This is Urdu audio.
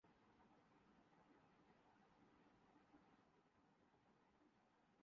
دوسرا یہ کہ ان کی فیس بھی بڑھ گئی۔